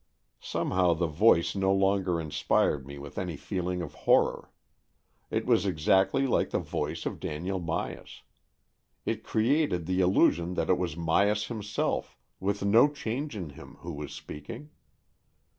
Somehow the voice no longer inspired me with any feeling of horror. It was exactly like the voice of Daniel Myas. It created the illusion that it was Myas himself, with no change in him, who was speaking.